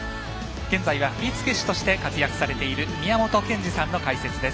現在は振付師として活躍されている宮本賢二さんの解説です。